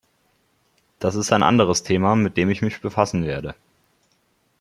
Das ist ein anderes Thema, mit dem ich mich befassen werde.